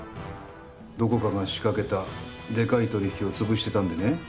どこかが仕掛けたでかい取引をつぶしてたんでね。